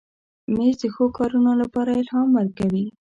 مېز د ښو کارونو لپاره الهام ورکوي.